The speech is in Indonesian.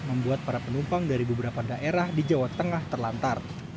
membuat para penumpang dari beberapa daerah di jawa tengah terlantar